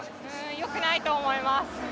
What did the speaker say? よくないと思います。